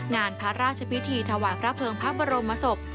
งานพระราชพิธีถวายพระเภิงพระบรมศพ